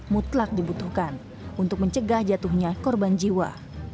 mutlak dibutuhkan untuk mencegah jatuhnya korban jiwa